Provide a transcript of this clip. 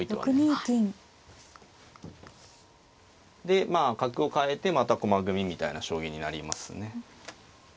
でまあ角を換えてまた駒組みみたいな将棋になりますね。